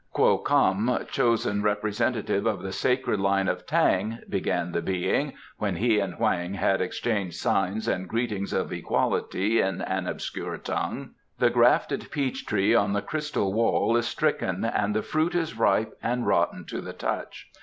"Kwo Kam, chosen representative of the sacred line of Tang," began the Being, when he and Hoang had exchanged signs and greetings of equality in an obscure tongue, "the grafted peach tree on the Crystal Wall is stricken and the fruit is ripe and rotten to the touch.